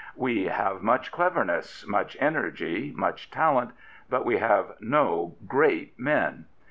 We have much cleverness, much energy, much talent ; but we have no great men.